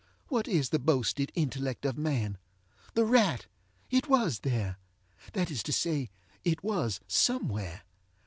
what is the boasted intellect of man? The rat! ŌĆöit was thereŌĆöthat is to say, it was somewhere.